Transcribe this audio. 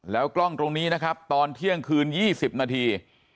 แล้วกล้องตรงนี้นะครับตอนเที่ยงคืน๒๐นาที